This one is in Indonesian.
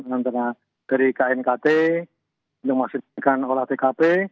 nantinya dari knkt yang memaksa jadikan olah tkp